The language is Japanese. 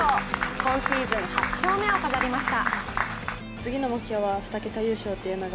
今シーズン８勝目を飾りました。